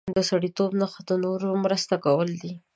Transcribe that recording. د سړیتوب نښه د نورو مرسته کول دي.